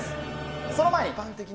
その前に。